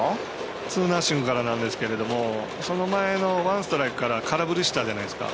ツーナッシングからなんですけどその前のワンストライクから空振りしたじゃないですか。